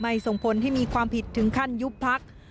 ส่งผลให้มีความผิดถึงขั้นยุบพัก